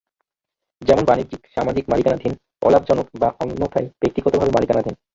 যেমন বাণিজ্যিক, সামাজিক মালিকানাধীন, অলাভজনক, বা অন্যথায় ব্যক্তিগতভাবে মালিকানাধীন।